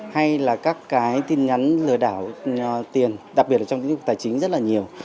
hay là các cái tin nhắn lừa đảo tiền đặc biệt là trong tài chính rất là nhiều